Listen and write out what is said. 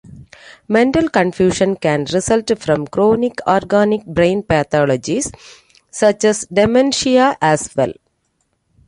Mental confusion can result from chronic organic brain pathologies, such as dementia, as well.